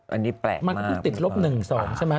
อันนี้แปลกมากมันก็คือติดลบ๑๒ใช่มั้ย